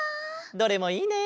どれもいいね！